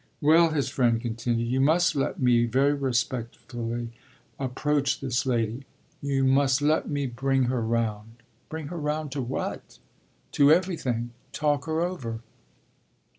"Well," his friend continued, "you must let me very respectfully approach this lady. You must let me bring her round." "Bring her round to what?" "To everything. Talk her over."